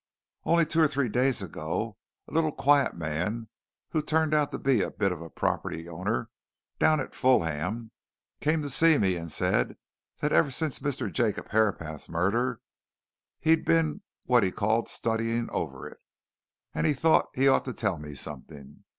Only two or three days ago a little, quiet man, who turned out to be a bit of a property owner down at Fulham, came to me and said that ever since Mr. Jacob Herapath's murder he'd been what he called studying over it, and he thought he ought to tell me something.